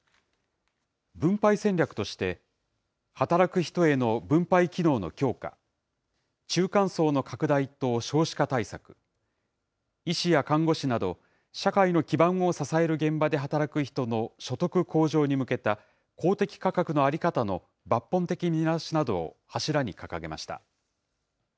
分配戦略として、働く人への分配機能の強化、中間層の拡大と少子化対策、医師や看護師など、社会の基盤を支える現場で働く人の所得向上に向けた、公的価格の在り方の抜本的見直しなどを柱に掲げました。